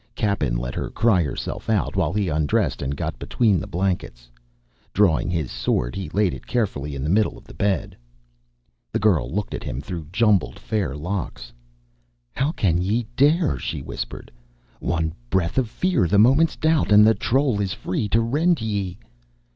Cappen let her cry herself out while he undressed and got between the blankets. Drawing his sword, he laid it carefully in the middle of the bed. The girl looked at him through jumbled fair locks. "How can ye dare?" she whispered. "One breath of fear, one moment's doubt, and the troll is free to rend ye."